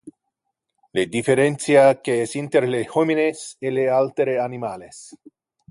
Le differentia que es inter le homines e le altere animales.